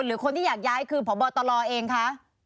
หรือคนที่อยากย้ายคือพบตรเองคะ